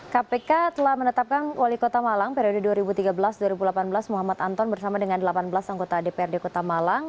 kpk telah menetapkan wali kota malang periode dua ribu tiga belas dua ribu delapan belas muhammad anton bersama dengan delapan belas anggota dprd kota malang